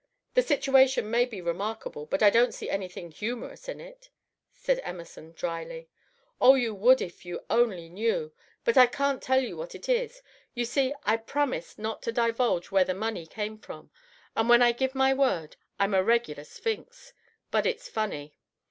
"The situation may be remarkable, but I don't see anything humorous in it," said Emerson, dryly. "Oh, you would if you only knew, but I can't tell you what it is. You see, I promised not to divulge where the money came from, and when I give my word I'm a regular Sphinx. But it's funny."